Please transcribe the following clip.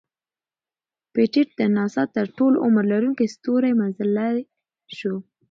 پېټټ د ناسا تر ټولو عمر لرونکی ستور مزلی شو.